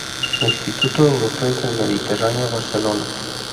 Instituto Europeo del Mediterráneo, Barcelona.